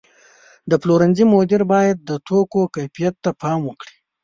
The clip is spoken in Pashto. د پلورنځي مدیریت باید د توکو کیفیت ته پام وکړي.